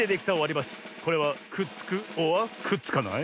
これはくっつくｏｒくっつかない？